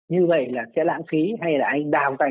như vậy là sẽ lãng phí hay là anh đào thành